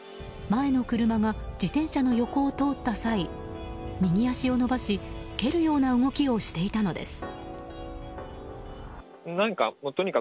前の車が自転車の横を通った際右足を伸ばし蹴るような動きをしていたのです。